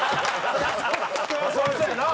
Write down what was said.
そりゃそうやな。